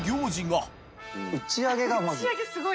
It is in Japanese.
打ち上げすごい。